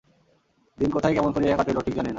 দিন কোথায় কেমন করিয়া কাটিল ঠিক জানি না।